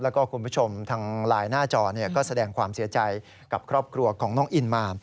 แล้วก็คุณผู้ชมทางไลน์หน้าจอก็แสดงความเสียใจกับครอบครัวของน้องอินมา